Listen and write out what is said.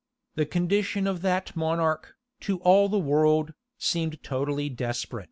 The condition of that monarch, to all the world, seemed totally desperate.